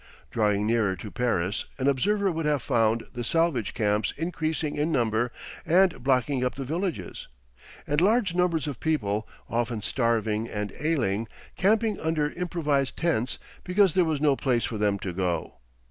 Drawing nearer to Paris an observer would have found the salvage camps increasing in number and blocking up the villages, and large numbers of people, often starving and ailing, camping under improvised tents because there was no place for them to go.